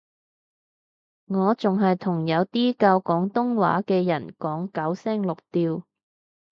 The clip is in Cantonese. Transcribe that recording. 我仲係同有啲教廣東話嘅人講九聲六調